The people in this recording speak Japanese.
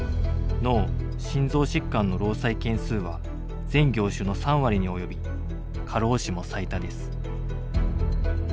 脳・心臓疾患の労災件数は全業種の３割に及び過労死も最多です。